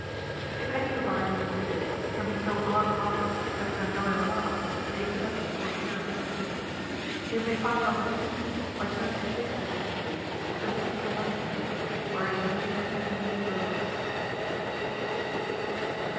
If any of our young readers can be so hard hearted as to enjoy a laugh at the expense of poor Pyramus and Thisbe, they may find an opportunity by turning to Shakspeare's play of the "Midsummer Night's Dream," where it is most amusingly burlesqued.